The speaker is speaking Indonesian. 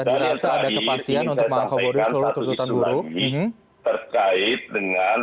dirasa ada kepastian untuk mengangkut seluruh tuntutan buru terkait dengan